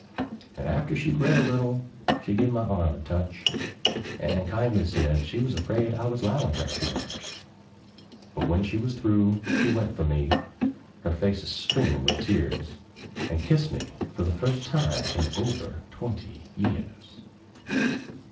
And after she'd read a little she give my arm a touch, And kindly said she was afraid I was 'lowin' her too much; But when she was through she went for me, her face a streamin' with tears, And kissed me for the first time in over twenty years!